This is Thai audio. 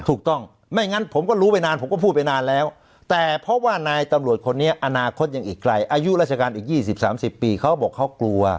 ถูกต้องไม่งั้นผมก็รู้ไปนานผมก็พูดไปนานแล้วแต่เพราะว่านายตำรวจคนนี้อนาคตยังอีกไกลอายุราชการอีก๒๐๓๐ปีเขาบอกเขากลัว